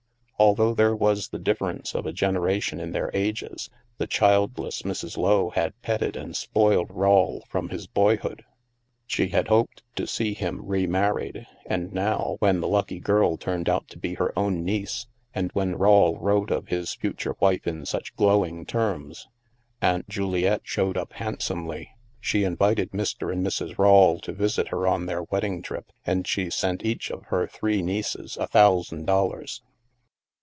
Although there was the difference of a generation in their ages, the childless Mrs. Lowe had petted and spoiled Rawle from his boyhood. She had hoped to see him remarried. And now, when the lucky girl turned out to be her own niece, and when Rawle wrote of his future wife in such glowing terms. Aunt Juliette showed up handsomely. She invited Mr. and Mrs. Rawle to visit her on their wedding trip, and she sent each of her three nieces a thousand dollars.